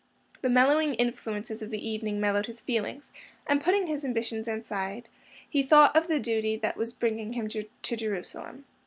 The mellowing influences of the evening mellowed his feelings, and, putting his ambitions aside, he thought of the duty that was bringing him to Jerusalem.